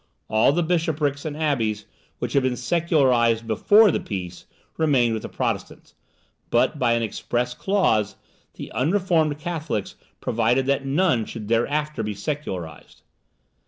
All the bishoprics and abbeys which had been secularized BEFORE the peace, remained with the Protestants; but, by an express clause, the unreformed Catholics provided that none should thereafter be secularized.